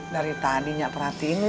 dari tadinya perhatiin lu